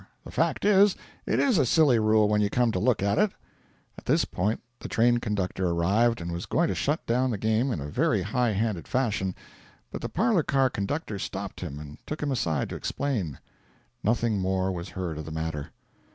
The fact is, it is a silly rule when you come to look into it.' At this point the train conductor arrived, and was going to shut down the game in a very high handed fashion, but the parlour car conductor stopped him, and took him aside to explain. Nothing more was heard of the matter.